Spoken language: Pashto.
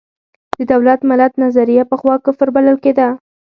د دولت–ملت نظریه پخوا کفر بلل کېده.